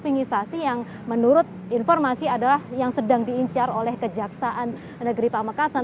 vinisasi yang menurut informasi adalah yang sedang diincar oleh kejaksaan negeri pamekasan